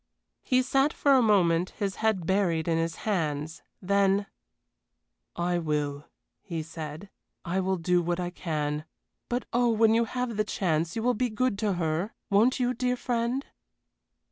He sat for a moment, his head buried in his hands then "I will," he said, "I will do what I can; but oh, when you have the chance you will be good to her, won't you, dear friend?"